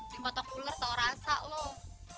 di kotak uler tau rasa loh